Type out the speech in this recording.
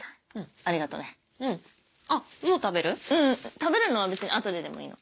食べるのは別に後ででもいいの。